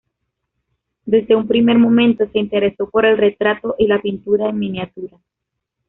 Desde un primer momento se interesó por el retrato y la pintura en miniatura.